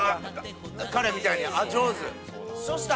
彼みたいにあっ上手。